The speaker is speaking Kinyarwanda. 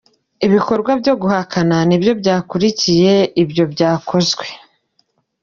Ibikorwa byo guhakana nibyo byakurikiye ibyo byakozwe.